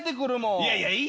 いやいやいい。